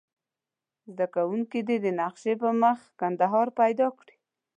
زده کوونکي دې د نقشې پر مخ کندهار پیدا کړي.